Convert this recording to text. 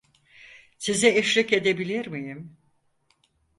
Size eşlik edebilir miyim?